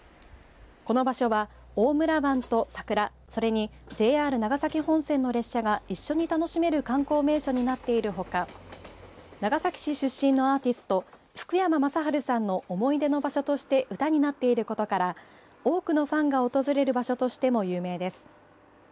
この場所は、大村湾と桜それにＪＲ長崎本線の列車が一緒に楽しめる観光名所になっているほか長崎市出身のアーティスト福山雅治さんの思い出の場所として歌っになっていることから多くのファンが訪れる場所としても有名です。